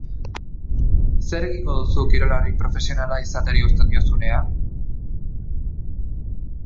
Zer egingo duzu kirolari profesionala izateari uzten diozunean?